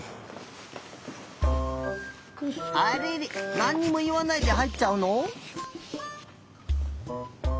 あれれなんにもいわないではいっちゃうの？